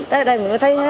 tới đây mình có thấy hết